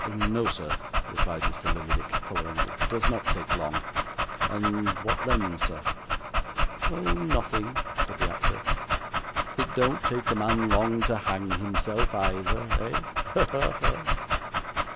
'No, sir,' replied Mr. Lillyvick, colouring. 'It does not take long. And what then, sir?' 'Oh! nothing,' said the actor. 'It don't take a man long to hang himself, either, eh? ha, ha!